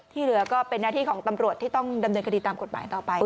เหลือก็เป็นหน้าที่ของตำรวจที่ต้องดำเนินคดีตามกฎหมายต่อไป